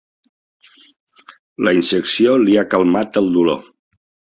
La injecció li ha calmat el dolor.